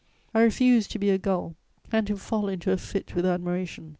I refuse to be a gull and to fall into a fit with admiration.